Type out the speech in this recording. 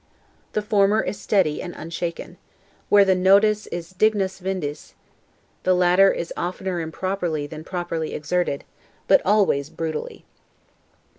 The former is steady and unshaken, where the 'nodus' is 'dignus vindice'; the latter is oftener improperly than properly exerted, but always brutally.